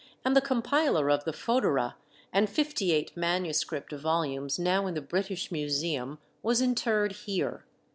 and the compiler of the Fœdera and fifty eight manuscript volumes now in the British Museum, was interred here.